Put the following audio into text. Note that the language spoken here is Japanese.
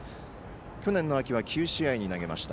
去年の秋は９試合に投げました。